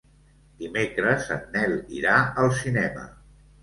Dimecres en Nel irà al cinema.